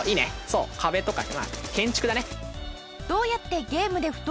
そう壁とか建築だね。